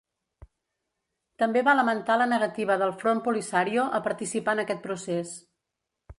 També va lamentar la negativa del Front Polisario a participar en aquest procés.